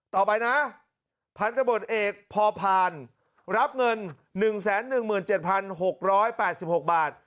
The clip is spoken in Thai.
ต่อไปนะพันธุ์ตำรวจเอกพ่อผ่านรับเงิน๑๑๗๖๘๖บาท